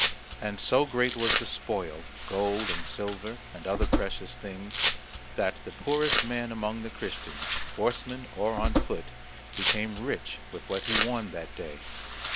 And so great was the spoil, gold, and silver, and other precious things that the poorest man among the Christians, horseman or on foot, became rich with what he won that day.